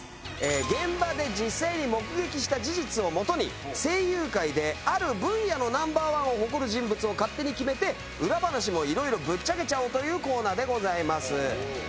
現場で実際に目撃した事実を元に声優界である分野のＮｏ．１を誇る人物を勝手に決めて裏話も色々ぶっちゃけちゃおうというコーナーでございます。